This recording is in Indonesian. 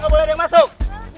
nggak boleh ada yang masuk